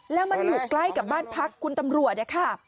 แล้วมันอยู่ใกล้กับบ้านพักคุณตำรวจนะคะ